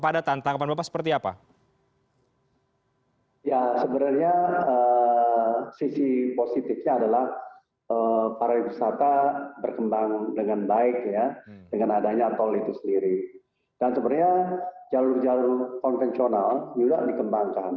dan sebenarnya jalur jalur konvensional juga dikembangkan